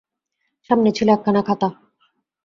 সামনে ছিল একখানা খাতা।